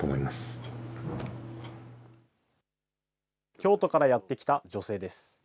京都からやって来た女性です。